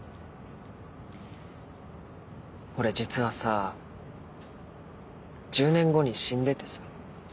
俺実はさ１０年後に死んでてさ。